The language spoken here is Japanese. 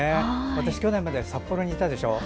私、去年まで札幌にいたでしょ。